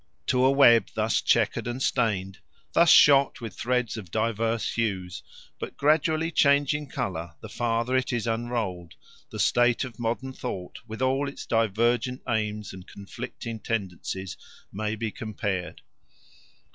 To a web thus chequered and stained, thus shot with threads of diverse hues, but gradually changing colour the farther it is unrolled, the state of modern thought, with all its divergent aims and conflicting tendencies, may be compared.